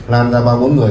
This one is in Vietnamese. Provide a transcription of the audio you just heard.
lan ra ba bốn người